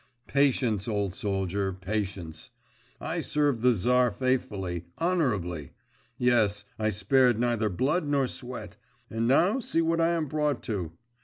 Patience, old soldier, patience. I served the Tsar faithfully … honourably … yes. I spared neither blood nor sweat, and now see what I am brought to.